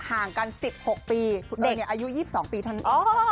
ห่างกัน๑๖ปีอายุ๒๒ปีเท่านั้น